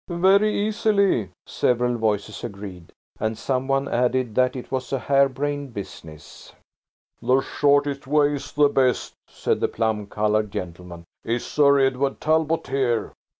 "Very easily," several voices agreed, and some one added that it was a hare brained business. "The shortest way's the best," said the plum coloured gentleman. "Is Sir Edward Talbot here?"